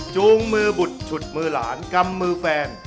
จูงมือบุตรฉุดมือหลานกำมือแฟน